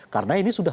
karena ini sudah